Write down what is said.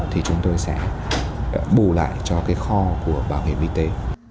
thì chúng tôi sẽ bù lại cho cái kho của bảo hiểm y tế